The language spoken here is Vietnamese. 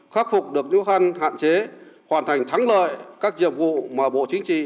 khắc phục được những khăn hạn chế hoàn thành thắng lợi các nhiệm vụ mà bộ chính trị